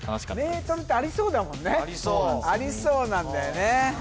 メートルってありそうだもんねありそうありそうなんだよね